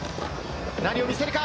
何を見せるか。